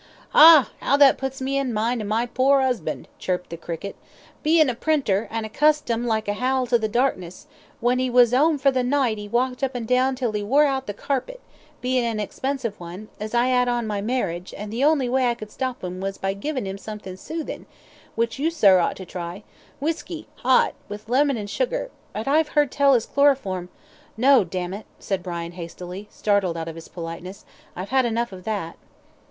"Ah! 'ow that puts me in mind of my pore 'usband," chirped the cricket; "bein' a printer, and accustomed like a howl to the darkness, when 'e was 'ome for the night 'e walked up and down till 'e wore out the carpet, bein' an expensive one, as I 'ad on my marriage, an' the only way I could stop 'im was by givin' 'im something soothin', which you, sir, ought to try whisky 'ot, with lemon and sugar but I've 'eard tell as chloroform " "No, d it," said Brian, hastily, startled out of his politeness, "I've had enough of that."